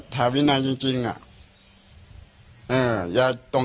ถ้าวินัยจริงอย่าต้องการจะได้อะไรอย่าตี๊ดพี่น้อง